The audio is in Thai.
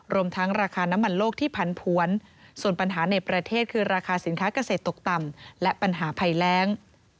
รวมทั้งราคาน้ำมันโลกที่ผันผวนส่วนปัญหาในประเทศคือราคาสินค้าเกษตรตกต่ำและปัญหาภัยแรง